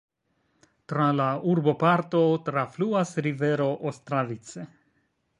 Tra la urboparto trafluas rivero Ostravice.